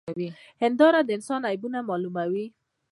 هنداره د انسان عيب معلوموي.